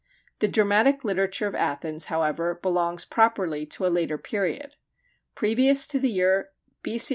The dramatic literature of Athens however belongs properly to a later period. Previous to the year B.C.